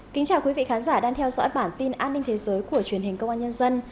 kính chào quý vị khán giả đang theo dõi bản tin an ninh thế giới của truyền hình công an nhân dân